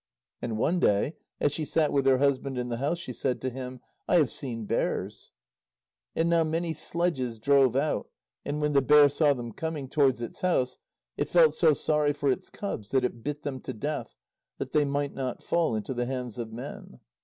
And one day, as she sat with her husband in the house, she said to him: "I have seen bears." And now many sledges drove out, and when the bear saw them coming towards its house, it felt so sorry for its cubs that it bit them to death, that they might not fall into the hands of men.